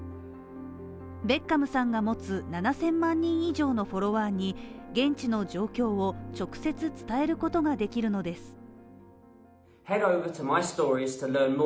ベッカム氏が持つ７０００万人以上のフォロワーに現地の状況を直接伝えることができるのです。